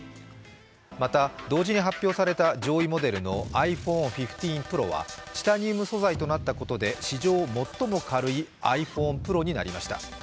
また、同時に発表された上位モデルのｉＰｈｏｎｅ１５Ｐｒｏはチタニウム素材となったことで、史上最も軽いｉＰｈｏｎｅＰｒｏになりました。